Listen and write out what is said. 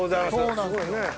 そうなんですよ。